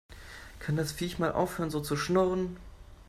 Kann das Viech mal aufhören so zu schnurren?